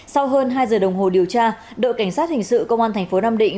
sau hơn hai giờ đồng hồ điều tra đội cảnh sát hình sự công an thành phố nam định